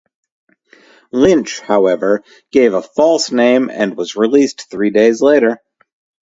Lynch, however, gave a false name and was released three days later.